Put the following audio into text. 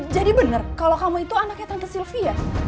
jadi bener kalau kamu itu anaknya tante sylvia